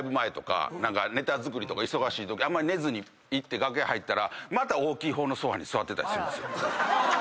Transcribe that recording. ネタ作りとか忙しいときあんま寝ずに行って楽屋入ったらまた大きい方のソファに座ってたりするんですよ。